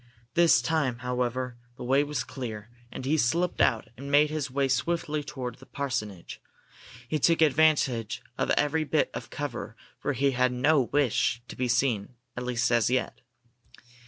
This time, however, the way was clear, and he slipped out and made his way swiftly toward the parsonage. He took advantage of every bit of cover for he had no wish to be seen, at least as yet.